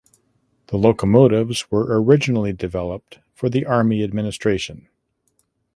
The locomotives were originally developed for the army administration.